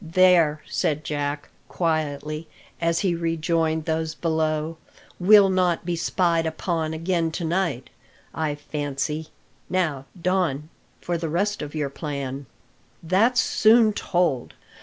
"There," said Jack quietly, as he rejoined those below, "we'll not be spied upon again to night, I fancy. Now, Don, for the rest of your plan." "That's soon told.